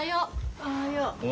おはよう。